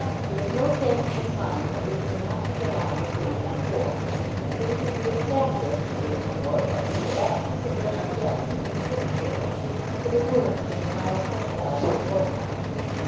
There was no tangible sign that things were not to go on as they went before. Things would be exactly as they were before, but for the absence of those guests from the dinner table, and for the words which Miles Grendall had spoken.